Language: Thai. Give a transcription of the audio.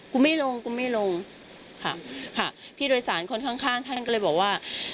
กูไม่ลงค่ะพี่โดยสารคนข้างท่านก็เลยบอกว่า